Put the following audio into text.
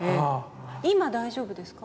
今大丈夫ですか？